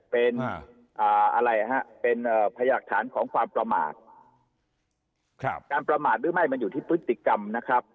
เป็นอะไรฮะเป็นพยากฐานของความประมาทการประมาทหรือไม่มันอยู่ที่พฤติกรรมนะครับ